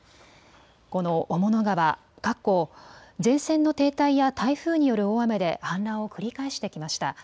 この雄物川、過去前線の停滞や台風による大雨で氾濫を繰り返してきました。